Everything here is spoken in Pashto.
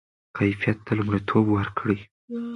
کیفیت ته لومړیتوب ورکړئ.